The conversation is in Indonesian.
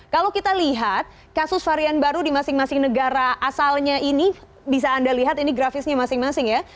kalau kita lihat kasus varian baru di masing masing negara asalnya ini bisa anda lihat ini grafisnya masing masing ya